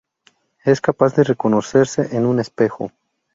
Es capaz de reconocerse en un espejo.